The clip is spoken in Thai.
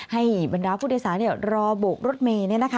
ให้บรรดาภูเตศานรอโบกรถเมย์